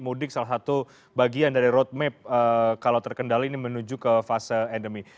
mudik salah satu bagian dari roadmap kalau terkendali ini menuju ke fase endemi